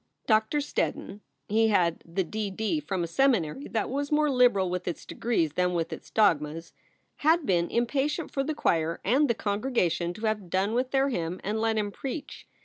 Doctor Steddon he had the D.D. from a seminary that was more liberal with its degrees than with its dogmas had been impatient for the choir and the congregation to have done with their hymn and let him preach.